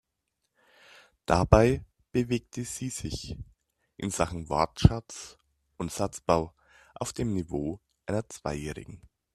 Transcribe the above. Dabei bewegte sie sich in Sachen Wortschatz und Satzbau auf dem Niveau einer Zweijährigen.